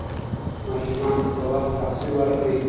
ماشومانو ته په وخت واکسین ورکړئ.